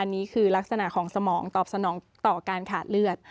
อันนี้คือลักษณะของสมองตอบสนองต่อการขาดเลือด